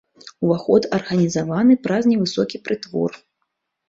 Уваход арганізаваны праз невысокі прытвор.